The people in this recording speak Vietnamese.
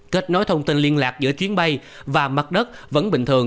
kết nối thông tin liên lạc giữa chuyến bay và mặt đất vẫn bình thường